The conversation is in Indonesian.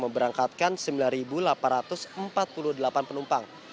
memberangkatkan sembilan delapan ratus empat puluh delapan penumpang